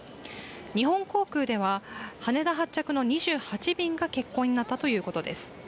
日本航空では羽田発着の２８便が欠航になったということです。